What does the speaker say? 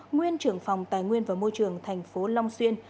nguyên trưởng phòng tài nguyên và môi trường tp long xuyên